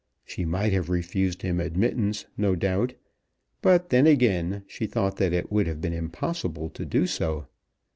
She might have refused him admittance, no doubt; but then again she thought that it would have been impossible to do so.